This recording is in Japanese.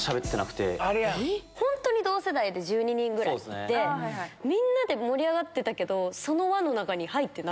本当に同世代１２人ぐらいでみんなで盛り上がってたけど。